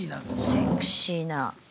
セクシーな。